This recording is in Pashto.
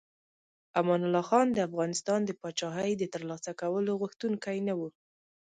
امان الله خان د افغانستان د پاچاهۍ د ترلاسه کولو غوښتونکی نه و.